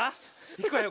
いくわよ。